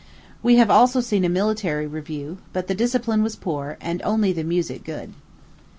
We have also seen a military review here; but the discipline was poor, and only the music good.